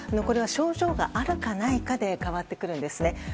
これは症状があるかないかで変わってくるんですね。